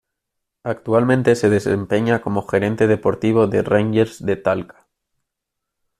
Actualmente se desempeña como Gerente deportivo de Rangers de Talca.